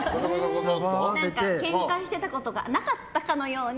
けんかしてたことがなかったかのように。